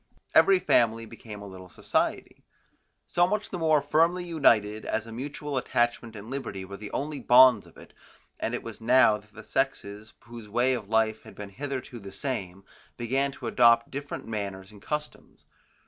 Every family became a little society, so much the more firmly united, as a mutual attachment and liberty were the only bonds of it; and it was now that the sexes, whose way of life had been hitherto the same, began to adopt different manners and customs.